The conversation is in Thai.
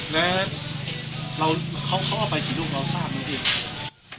แล้วเขาเอาไปกี่ลูกเราทราบไหมพี่